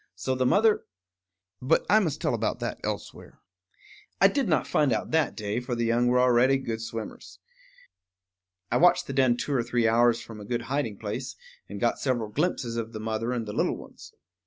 So the mother But I must tell about that elsewhere. I did not find out that day; for the young were already good swimmers. I watched the den two or three hours from a good hiding place, and got several glimpses of the mother and the little ones.